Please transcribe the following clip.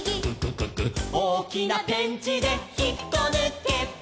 「おおきなペンチでひっこぬけ」